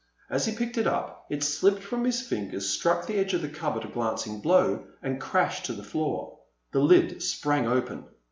As he picked it up, it slipped from his fingers, struck the edge of the cupboard a glancing blow, and crashed to the floor. The lid sprang open.